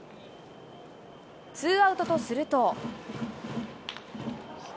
ツーアウトとすると。